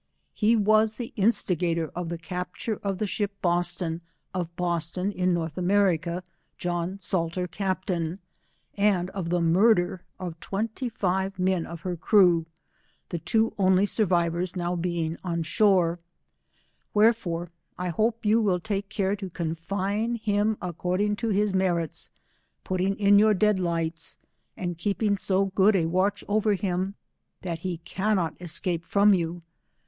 He was the instigator of the capture of the ship Boston, of Boston, in North America, John Salter captain, and of the murder of twenty five men of her crew, the two only sur vivors being now on shore — Wherefore I hope you will take care to conSne him according to his merits, putting in your dead lights, and keeping so good a watch over him, that he cannot escape from you.